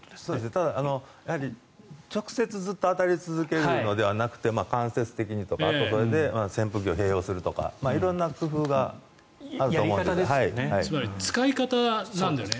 ただ、直接、ずっと当たり続けるのではなくて間接的にとか扇風機を併用するとか色んな工夫があると思うんです。